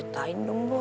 ceritain dong boy